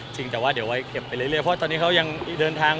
จริงแต่ว่าเดี๋ยวไว้เก็บไปเรื่อยเพราะตอนนี้เขายังเดินทาง